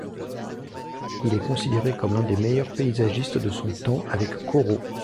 Il est considéré comme l'un des meilleurs paysagistes de son temps avec Corot.